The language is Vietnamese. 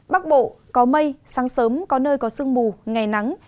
bắc bộ có mây sáng sớm có nơi có sương mù ngày nắng